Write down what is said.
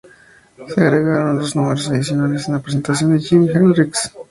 Se agregaron dos números adicionales a la presentación de Jimi Hendrix.